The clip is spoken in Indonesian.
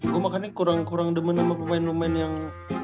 gue makannya kurang kurang demen sama pemain pemain yang